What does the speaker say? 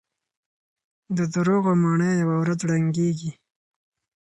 د دروغو ماڼۍ يوه ورځ ړنګېږي.